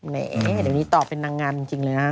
เดี๋ยวนี้ตอบเป็นนางงามจริงเลยนะ